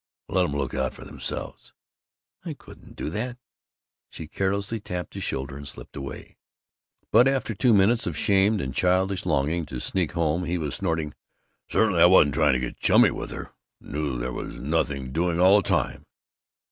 "Let 'em look out for 'emselves!" "I couldn't do that." She carelessly tapped his shoulder and slipped away. But after two minutes of shamed and childish longing to sneak home he was snorting, "Certainly I wasn't trying to get chummy with her! Knew there was nothing doing, all the time!"